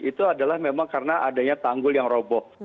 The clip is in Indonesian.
itu adalah memang karena adanya tanggul yang roboh